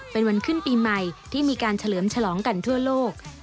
เป็นวันขึ้นปีใหม่ที่มีการเฉลิมฉลองกันทั่วโลก